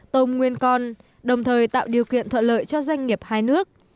tôm nguyên con đồng thời tạo điều kiện thuận lợi cho doanh nghiệp hai nước